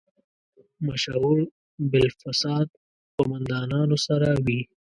مشهور بالفساد قوماندانانو سره وي.